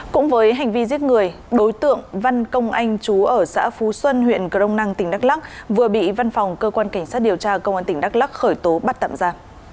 cũng với hành vi giết người đối tượng văn công anh chú ở xã phú xuân huyện crong năng tỉnh đắk lắc vừa bị văn phòng cơ quan cảnh sát điều tra công an tỉnh đắk lắc khởi tố bắt tạm ra